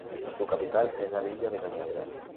Su capital es la villa de Cañaveral.